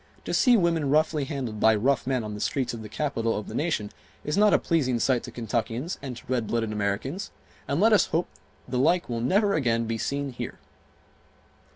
To see women roughly handled by rough men on the streets of the capital of the nation is not a pleasing sight to Kentuckians and to red blooded Americans, and let us hope the like will never again be seen here."